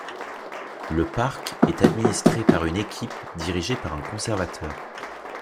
Le Parc est administré par une équipe dirigée par un conservateur.